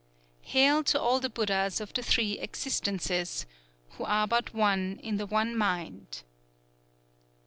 "_Hail to all the Buddhas of the Three Existences, who are but one in the One Mind!